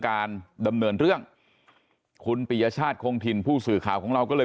การดำเนินเรื่องคุณปิยชาติคงถิ่นผู้สื่อข่าวของเราก็เลย